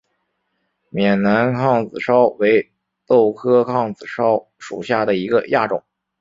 缅南杭子梢为豆科杭子梢属下的一个亚种。